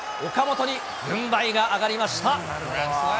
岡本に軍配が上がりました。